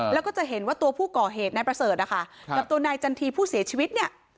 แล้วก็จะเห็นว่าตัวผู้ก่อเหตุนายประเสริฐนะคะกับตัวนายจันทีผู้เสียชีวิตเนี่ย